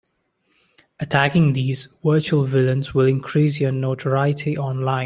Attacking these virtual villains will increase your notoriety online.